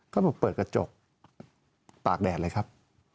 เขาบอกเปิดกระจกตากแดดเลยครับ